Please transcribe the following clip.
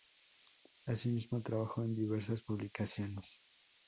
Asimismo, trabajó en diversas publicaciones.